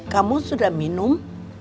kamu sudah minum